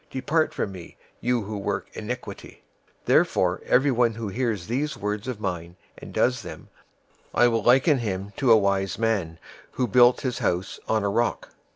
Depart from me, you who work iniquity.' 007:024 "Everyone therefore who hears these words of mine, and does them, I will liken him to a wise man, who built his house on a rock.